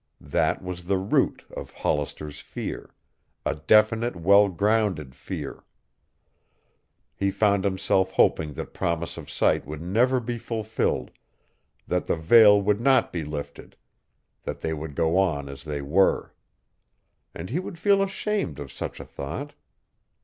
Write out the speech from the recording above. That was the root of Hollister's fear, a definite well grounded fear. He found himself hoping that promise of sight would never be fulfilled, that the veil would not be lifted, that they would go on as they were. And he would feel ashamed of such a thought.